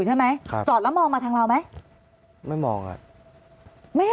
ใช่ไหมครับจอดแล้วมองมาทางเราไหมไม่มองอ่ะไม่เห็น